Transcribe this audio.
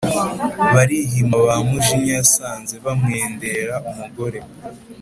barihima ba mujinya yasanze bamwendera umugore